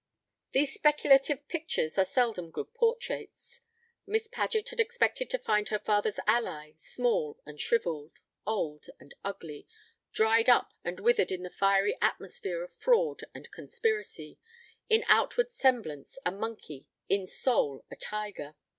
These speculative pictures are seldom good portraits. Miss Paget had expected to find her father's ally small and shrivelled, old and ugly, dried up and withered in the fiery atmosphere of fraud and conspiracy; in outward semblance a monkey, in soul a tiger.